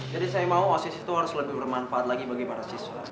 jadi saya mau occ itu harus lebih bermanfaat lagi bagi para siswa